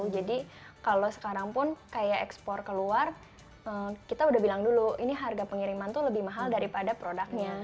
jadi kalau sekarang pun seperti ekspor keluar kita sudah bilang dulu ini harga pengiriman itu lebih mahal daripada produknya